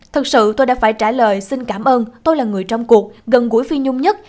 thật sự tôi đã phải trả lời xin cảm ơn tôi là người trong cuộc gần gũi phi nhung nhất